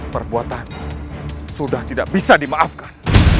perbuatannya sudah tidak bisa dimaafkan